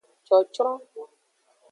Cocron.